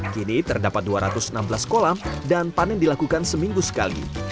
kini terdapat dua ratus enam belas kolam dan panen dilakukan seminggu sekali